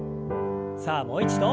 さあもう一度。